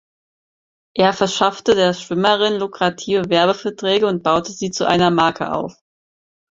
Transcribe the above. Er verschaffte der Schwimmerin lukrative Werbeverträge und baute sie zu einer Marke auf.